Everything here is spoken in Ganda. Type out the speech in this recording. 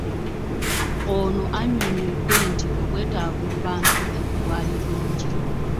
Ono annyonnyodde nti obwetaavu mu bantu be bwali bungi